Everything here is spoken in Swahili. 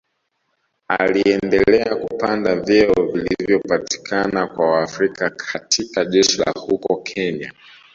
Aliendelea kupanda vyeo vilivyopatikana kwa Waafrika katika jeshi la huko Kenya